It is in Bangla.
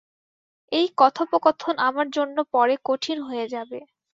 এই কথোপকথন আমার জন্য পরে কঠিন হয়ে যাবে।